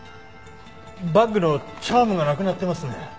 バッグのチャームがなくなってますね。